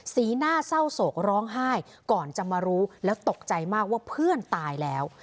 หน้าเศร้าโศกร้องไห้ก่อนจะมารู้แล้วตกใจมากว่าเพื่อนตายแล้ว